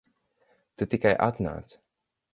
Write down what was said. Tu tikai atnāc.